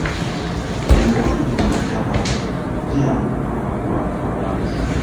Emikutu gi mugattabantu giyamba okutuuka ku bantu abangi.